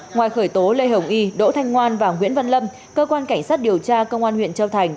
ngoài khởi tố lê hồng y đỗ thanh ngoan và nguyễn văn lâm cơ quan cảnh sát điều tra công an huyện châu thành